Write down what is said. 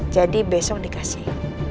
jadi besok dikasih